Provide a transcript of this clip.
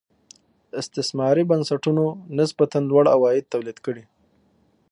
استثماري بنسټونو نسبتا لوړ عواید تولید کړي.